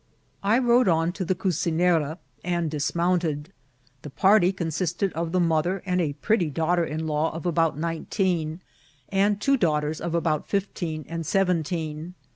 I rode on to the cucinera^ and dismounted. The party consisted of the mother and a pretty daughter in law of about nineteen, and two daughters of about fifteen and seventeen.